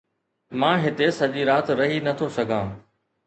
مان هتي سڄي رات رهي نه ٿو سگهان